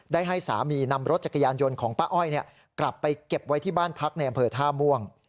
ให้สามีนำรถจักรยานยนต์ของป้าอ้อยกลับไปเก็บไว้ที่บ้านพักในอำเภอท่าม่วง